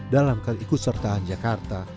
dalam keikut sertaan jakarta